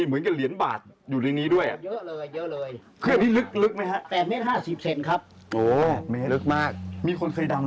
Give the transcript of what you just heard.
รูขึ้นมาจากข้างล่างครับมันมีอยู่ข้างใน